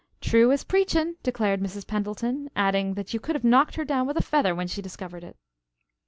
"True as preachin'," declared Mrs. Pendleton, adding that you could have knocked her down with a feather when she discovered it.